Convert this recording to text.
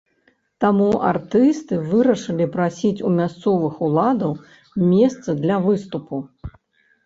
Таму артысты вырашылі прасіць у мясцовых уладаў месца для выступу.